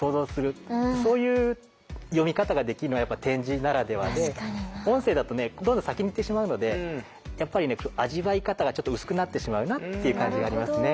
そういう読み方ができるのは点字ならではで音声だとねどんどん先に行ってしまうのでやっぱりね味わい方がちょっと薄くなってしまうなっていう感じがありますね。